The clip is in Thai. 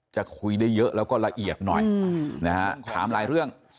จะคุยได้เยอะแล้วก็ละเอียดหน่อยนะฮะถามหลายเรื่อง